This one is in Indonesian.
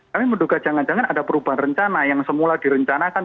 kami menduga jangan jangan ada perubahan rencana yang semula direncanakan